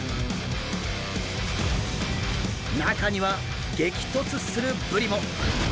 中には激突するブリも！